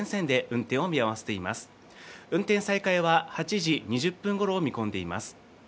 運転再開は８時２０分ごろを見込んでいます。